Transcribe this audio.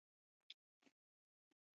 یادونه به ښايي پیاوړي شي.